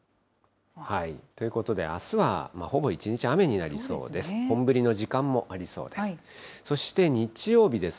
ということで、あすはほぼ一日雨になりそうです。